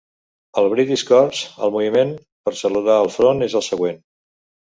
Al British Corps, el moviment per saludar al front és el següent.